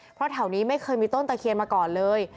เพราะแถวนี้ไม่เคยมีต้นตะเคียนมาก่อนเลย